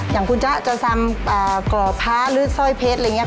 อย่างคุณจ๊ะจะทำก่อพระหรือสร้อยเพชรอะไรอย่างนี้